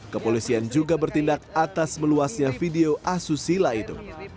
kepolisian juga bertindak atas meluasnya video asusila itu